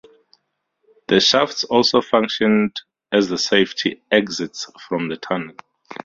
The shafts also functioned as the safety exits from the tunnel.